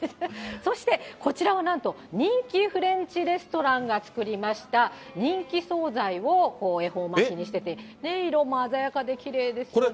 そしてこちらはなんと、人気フレンチレストランが作りました、人気総菜を恵方巻きにしてて、色も鮮やかで、きれいですよね。